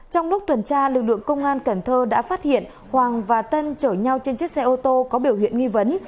trong lúc tuần tra lực lượng công an cần thơ đã phát hiện hoàng và tân chở nhau trên chiếc xe ô tô có biểu hiện nghi vấn